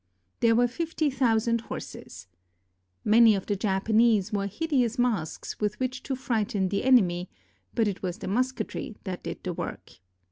There were fifty thousand horses. Many of the Japanese wore hideous masks with which to frighten the enemy, but it was the musketry that did the work.